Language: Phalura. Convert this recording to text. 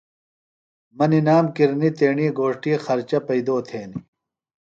مہ نِنام کِرنی تیݨی گھوݜٹیۡ خرچہ پیئدو تھینیۡ۔